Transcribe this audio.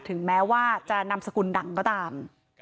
ถึงแม้ว่าจะนำสกุลดังก็ตาม